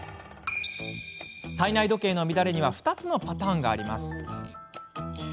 体内時計の乱れには２つのパターンがあります。